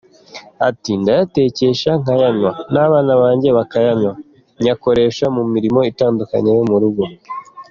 Ati ‘Ndayatekesha, nkayanywa n’abana banjye bakayanywa, nyakoresha mu mirimo itandukanye yo mu rugo.